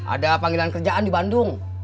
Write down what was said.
ada panggilan kerjaan di bandung